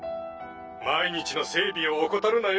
毎日の整備を怠るなよ。